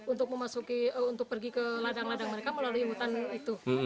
untuk pergi ke ladang ladang mereka melalui hutan itu